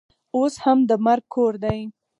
اوس هم د مرګ کور دی.